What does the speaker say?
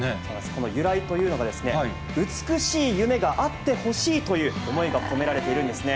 この由来というのがですね、美しい夢が有ってほしいという思いが込められているんですね。